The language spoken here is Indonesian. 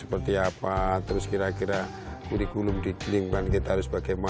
menurutku di luar itu seperti apa ndi kulung di tinggal di terspangit